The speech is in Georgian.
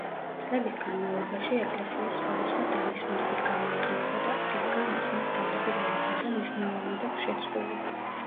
წლების განმავლობაში ეკლესია სხვადასხვა დანიშნულებით გამოიყენებოდა, რის გამოც მას თავდაპირველი სახე მნიშვნელოვნად აქვს შეცვლილი.